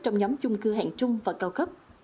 trong nhóm chung cư hạng trung và cao cấp